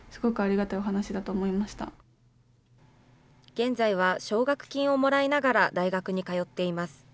現在は奨学金をもらいながら大学に通っています。